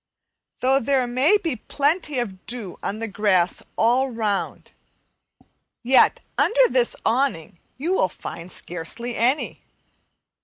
Though there may be plenty of dew on the grass all round, yet under this awning you will find scarcely any.